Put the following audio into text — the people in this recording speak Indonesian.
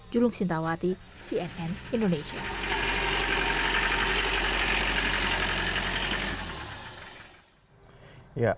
julung sintawati cnn indonesia